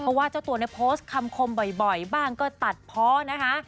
เพราะว่าเจ้าตัวเนี่ยโพสต์คำคมบ่อยบ้างก็ตัดเพาะนะคะ